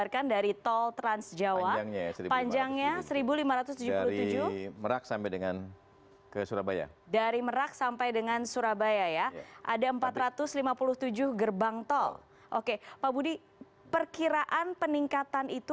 kalau untuk pintu tol penjagaan itu